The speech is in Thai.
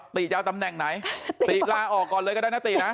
ติจะเอาตำแหน่งไหนติลาออกก่อนเลยก็ได้นะตินะ